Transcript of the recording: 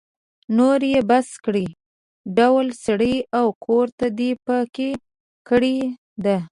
نور يې بس کړئ؛ ډول سری او ګوته دې په کې کړې ده.